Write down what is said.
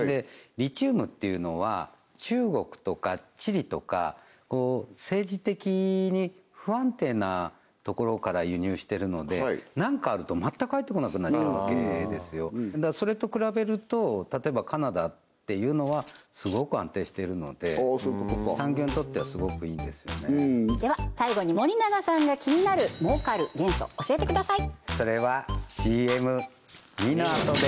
リチウムっていうのは中国とかチリとかこう政治的に不安定なところから輸入しているので何かあると全く入ってこなくなっちゃうわけですよそれと比べると例えばカナダっていうのはすごく安定しているので産業にとってはすごくいいんですよねでは最後に森永さんが気になる儲かる元素教えてください